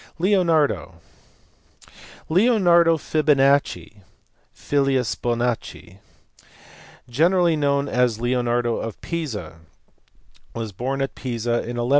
Leonardo*. Leonardo Fibonacci (i.e. filius Bonaccii) gene rally known as Leonardo of Pisa, was born at Pisa in 1175.